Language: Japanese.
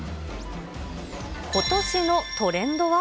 ことしのトレンドは。